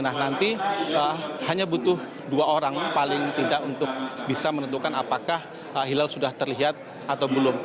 nah nanti hanya butuh dua orang paling tidak untuk bisa menentukan apakah hilal sudah terlihat atau belum